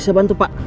saya bantu pak